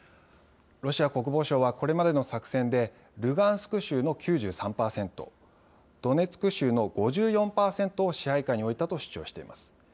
ロシア国防省はこれまでの作戦で、ルガンスク州の９３％、ドネツク州の５４％を支配下に置いたと主張しています。